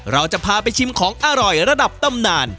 เราจะพาไปชิมของอร่อยระดับตำนาน